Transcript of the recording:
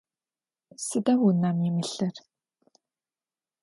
Сыда унэм имылъыр?